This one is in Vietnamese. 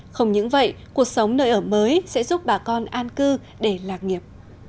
không những vậy cuộc sống nơi ở mới sẽ giúp bà con an cư để lạc nghiệp